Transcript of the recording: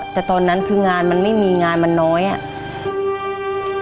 แต่ตอนนั้นคืองานมันไม่มีงานมันน้อยอ่ะ